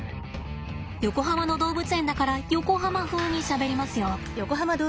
横浜の動物園だから横浜風にしゃべりますよ。